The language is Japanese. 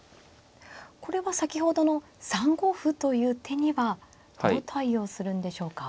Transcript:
これは先ほどの３五歩という手にはどう対応するんでしょうか。